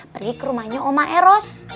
pergi ke rumahnya oma eros